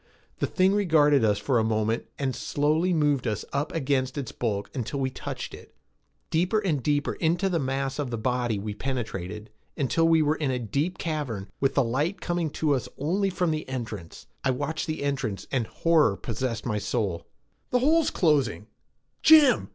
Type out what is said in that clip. The thing regarded us for a moment and slowly moved us up against its bulk until we touched it. Deeper and deeper into the mass of the body we penetrated until we were in a deep cavern with the light coming to us only from the entrance. I watched the entrance and horror possessed my soul. "The hole's closing. Jim!"